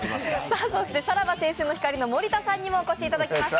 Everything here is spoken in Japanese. さらば青春の光の森田さんにもお越しいただきました。